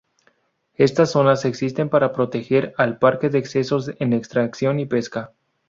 Estas zonas existen para proteger al parque de excesos en extracción y pesca.